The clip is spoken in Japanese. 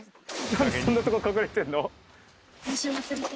何でそんなとこ隠れてんの？